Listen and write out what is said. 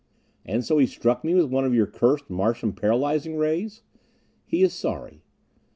"And so he struck me with one of your cursed Martian paralyzing rays!" "He is sorry...."